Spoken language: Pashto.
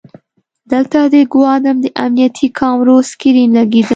دلته د ګودام د امنیتي کامرو سکرین لګیدلی.